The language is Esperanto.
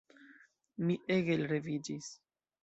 Mi ege elreviĝis.